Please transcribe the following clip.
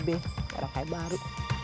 barang kayak baru